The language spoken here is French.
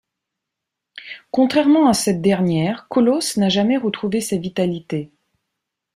Contrairement à cette dernière, Colosses n'a jamais retrouvé sa vitalité.